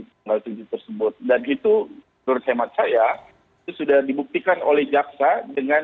mengalami tersebut dan itu menurut khidmat saya sudah dibuktikan oleh jaxa dengan